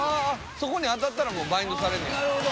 そこに当たったらバインドされるのね。